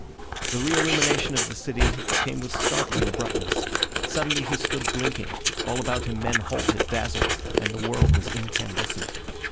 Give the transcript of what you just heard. The re illumination of the city came with startling abruptness. Suddenly he stood blinking, all about him men halted dazzled, and the world was incandescent.